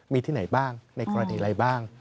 มีที่ไหนบ้างในกรณีอะไรบ้าง